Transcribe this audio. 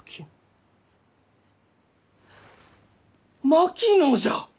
槙野じゃ！